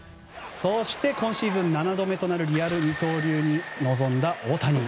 そして、今シーズン７度目となるリアル二刀流に臨んだ大谷。